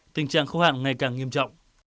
tình trạng khâu hạn ngày càng nghiêm trọng